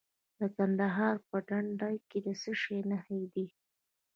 د کندهار په ډنډ کې د څه شي نښې دي؟